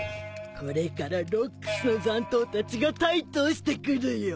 これからロックスの残党たちが台頭してくるよ